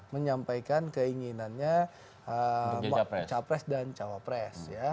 menyampaikan keinginannya capres dan cawapres